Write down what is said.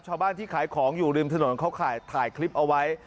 ชาวบ้านที่ขายของอยู่ริมถนนเขาถ่ายคลิปเอาไว้